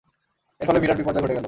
এর ফলে বিরাট বিপর্যয় ঘটে গেল।